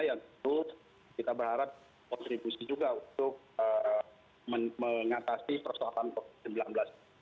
yang tentu kita berharap kontribusi juga untuk mengatasi persoalan covid sembilan belas